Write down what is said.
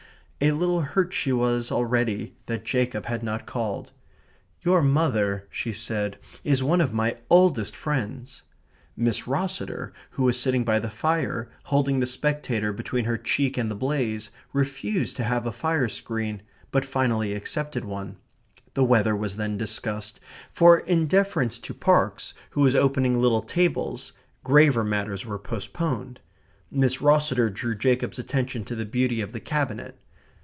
A little hurt she was already that Jacob had not called. "Your mother," she said, "is one of my oldest friends." Miss Rosseter, who was sitting by the fire, holding the Spectator between her cheek and the blaze, refused to have a fire screen, but finally accepted one. The weather was then discussed, for in deference to Parkes, who was opening little tables, graver matters were postponed. Miss Rosseter drew Jacob's attention to the beauty of the cabinet.